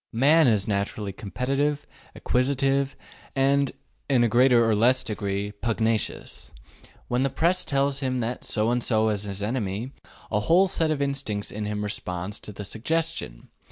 Man is naturally competitive, acquisitive, and, in a greater or less degree, pugnacious. When the Press tells him that so and so is his enemy, a whole set of instincts in him responds to the suggestion.